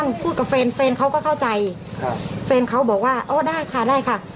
พูดกับแฟนแฟนเขาก็เข้าใจครับแฟนเขาบอกว่าอ๋อได้ค่ะได้ค่ะ